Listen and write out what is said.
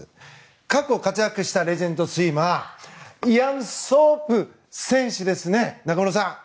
過去に活躍したレジェンドスイマーイアン・ソープ選手ですね中室さん！